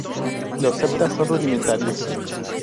Los septa son rudimentarios.